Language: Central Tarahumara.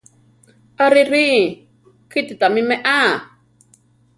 Arirí! kíti tamí meʼá!